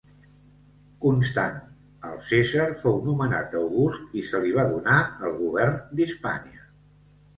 Constant, el cèsar, fou nomenat august i se li va donar el govern d'Hispània.